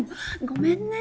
ごめんね。